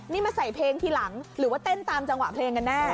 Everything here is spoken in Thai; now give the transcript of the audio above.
นี่มาใส่เพลงทีหลังหรือว่าเต้นตามจังหวะเพลงกันแน่